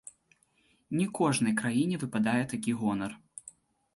Не кожнай краіне выпадае такі гонар.